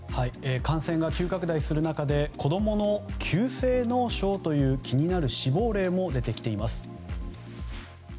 感染が急拡大する中で子供の急性脳症という、気になる死亡例も出てきています。